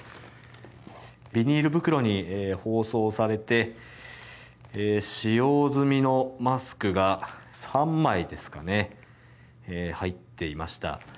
ビニール袋に包装されて使用済みのマスクが３枚入っていました。